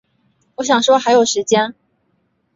我想说还有时间